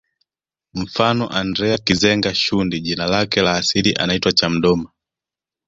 Mfano Andrea Kizenga Shundi jina lake la asili anaitwa Chamdoma